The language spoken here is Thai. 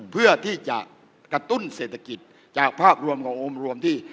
เพื่อที่จะกระตุ้นเศรษฐกิจจากภาพรวมขององค์รวมที่